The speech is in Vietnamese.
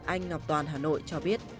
anh ngọc toàn hà nội cho biết